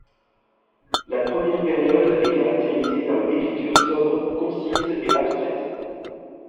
La première période est caractérisée par une écriture sobre, concise et abstraite.